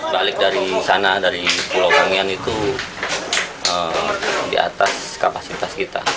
balik dari sana dari pulau kangean itu di atas kapasitas kita